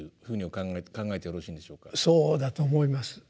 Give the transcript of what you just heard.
そうだと思います。